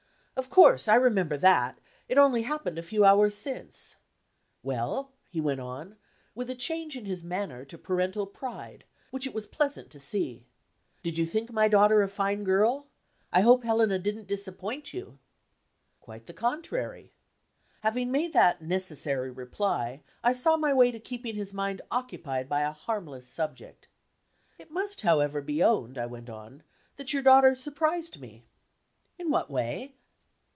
Of course, I remember that; it only happened a few hours since. Well?" he went on, with a change in his manner to parental pride, which it was pleasant to see, "did you think my daughter a fine girl? I hope Helena didn't disappoint you?" "Quite the contrary." Having made that necessary reply, I saw my way to keeping his mind occupied by a harmless subject. "It must, however, be owned," I went on, "that your daughter surprised me." "In what way?"